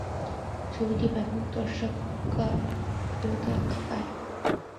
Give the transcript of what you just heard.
ছবিটি ব্যাপক দর্শকপ্রিয়তা পায়।